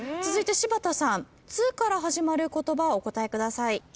続いて柴田さん「つ」から始まる言葉お答えください。